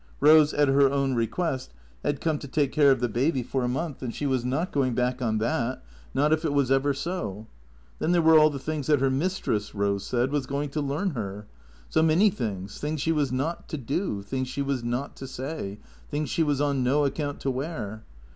Eose, at her own request, had come to take care of the baby for a month, and she was not going back on that, not if it was ever so. Then there were all the things that her mistress, Eose said, was going to learn her. So many things, things she was not to do, things she was not to say, things she was on no account to wear.